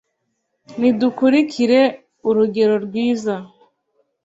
nidukulikire urugero rwiza